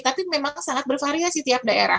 tapi memang sangat bervariasi tiap daerah